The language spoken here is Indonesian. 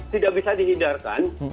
tidak bisa dihindarkan